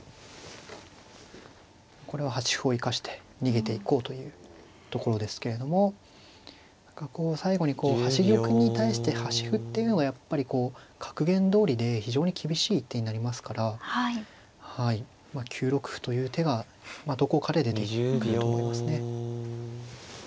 これは端歩を生かして逃げていこうというところですけれども何かこう最後に端玉に対して端歩っていうのがやっぱりこう格言どおりで非常に厳しい一手になりますからまあ９六歩という手がどこかで出てくると思いますね。